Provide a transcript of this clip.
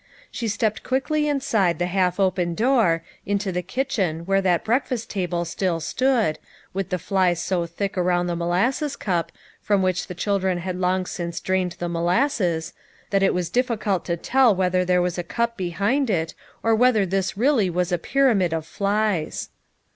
She stepped quickly inside the half open door, into the kitchen where that breakfast table still stood, with the flies so thick around the molasses cup, from which the children had long since drained the molasses, that it was difficult to tell whether there was a cup behind it, or whether this really was a pyramid of flies.